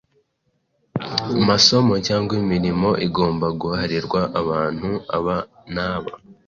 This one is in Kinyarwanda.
masomo cyangwa imirimo igomba guharirwa abantu aba n’aba.